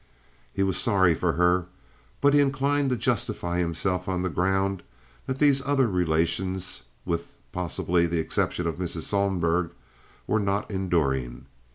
He was sorry for her, but inclined to justify himself on the ground that these other relations—with possibly the exception of Mrs. Sohlherg—were not enduring.